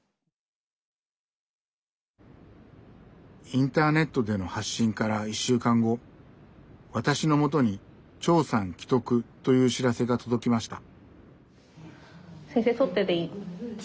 インターネットでの発信から１週間後私のもとに「長さん危篤」という知らせが届きました。